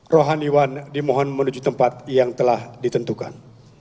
rohaniwan dimohon menuju tempat yang telah ditentukan